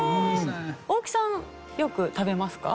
大木さんよく食べますか？